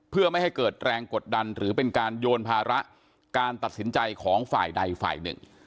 เพื่อไม่ให้เกิดแรงกดดันหรือเป็นการโยนภาระการตัดสินใจของฝ่ายใดฝ่ายหนึ่ง